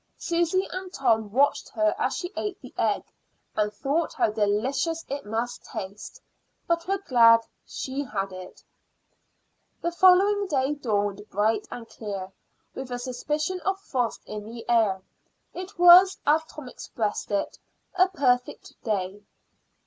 Susy and Tom watched her as she ate the egg, and thought how delicious it must taste, but were glad she had it. The following day dawned bright and clear, with a suspicion of frost in the air. It was, as Tom expressed it, a perfect day.